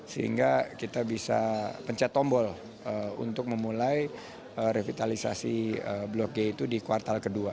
sehingga kita bisa pencet tombol untuk memulai revitalisasi blok g itu di kuartal kedua